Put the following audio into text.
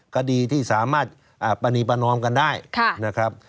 คดีที่สามารถปรณีประนอมกันได้นะครับ